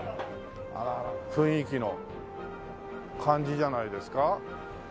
雰囲気の感じじゃないですか。